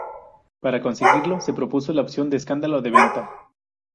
Para conseguirlo se propuso la opción de escalado de ventana.